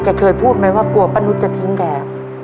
เคยพูดไหมว่ากลัวป้านุษย์จะทิ้งแก